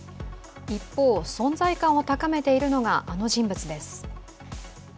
一方、存在感を高めているのが、あの人物です。